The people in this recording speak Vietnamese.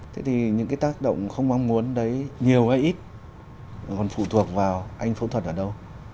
thế thì những cái tác động không mong muốn đấy nhiều hay ít còn phụ thuộc vào anh phẫu thuật ở đâu